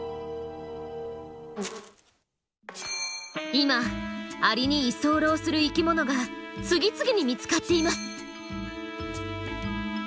今アリに居候する生きものが次々に見つかっています。